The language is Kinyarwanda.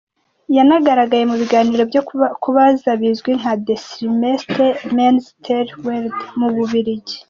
Yanagaragaye mu biganiro byo kubaza bizwi nka "De Slimste Mens ter Wereld" mu Bubiligi.